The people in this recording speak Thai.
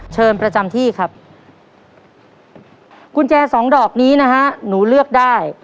เชิญประจำที่ครับกุญแจสองดอกนี้นะฮะหนูเลือกได้